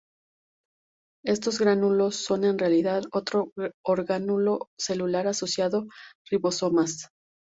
Estos gránulos son en realidad otro orgánulo celular asociado: ribosomas.